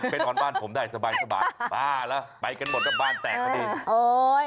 ไปนอนบ้านผมได้สบายบ้าละไปกันหมดกับบ้านแตกกันดี